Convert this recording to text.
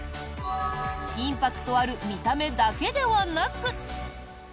インパクトある見た目だけではなく。